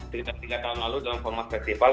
sekitar tiga tahun lalu dalam format festival